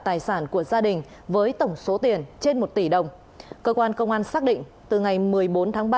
tài sản của gia đình với tổng số tiền trên một tỷ đồng cơ quan công an xác định từ ngày một mươi bốn tháng ba